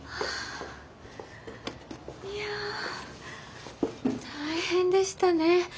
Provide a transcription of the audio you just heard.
いや大変でしたね。